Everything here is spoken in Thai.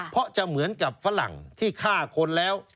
เพราะจะเหมือนกับฝรั่งที่ฆ่าคนแล้ว